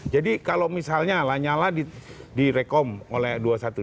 jadi kalau misalnya lanyala direkom oleh dua ratus dua belas